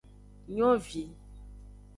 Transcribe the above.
Nyovi.